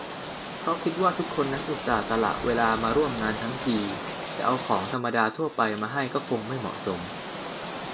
เพราะคิดว่าทุกคนนั้นอุตส่าห์สละเวลามาร่วมงานทั้งที จะเอาของธรรมดาทั่วไปมาให้ก็คงไม่เหมาะสม